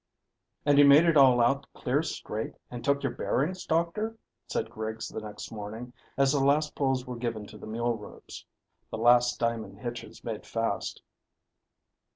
"And you made it all out clear straight and took your bearings, doctor?" said Griggs the next morning, as the last pulls were given to the mule ropes the last diamond hitches made fast.